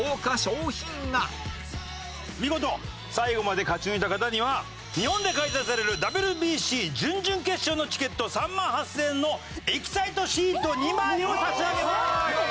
見事最後まで勝ち抜いた方には日本で開催されるＷＢＣ準々決勝のチケット３万８０００円のエキサイトシート２枚を差し上げます！